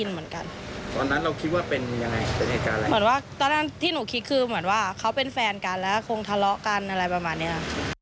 เหมือนว่าตอนนั้นที่หนูคิดคือเขาเป็นแฟนกันแล้วคงทะเลาะกันอะไรประมาณนี้